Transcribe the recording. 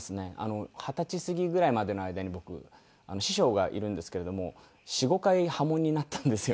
二十歳過ぎぐらいまでの間に僕師匠がいるんですけれども４５回破門になったんですよね。